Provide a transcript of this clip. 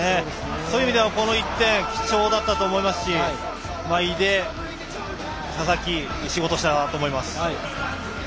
そういう意味では、この１点が貴重だったと思いますし井出、佐々木いい仕事したなと思います。